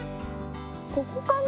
ここかな？